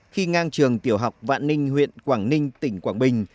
khi ngang trường tiểu học vạn ninh huyện quảng ninh tỉnh quảng bình